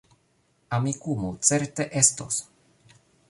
Amikumu certe estos